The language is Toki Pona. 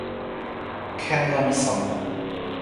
ken la mi sona.